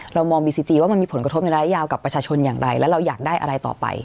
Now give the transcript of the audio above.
เรามองบีซีจีว่ามันมีผลกระทบในระยะยาวกับประชาชนอย่างไรและเราอยากได้อะไรต่อไป